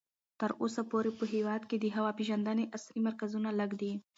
تر اوسه پورې په هېواد کې د هوا پېژندنې عصري مرکزونه لږ دي.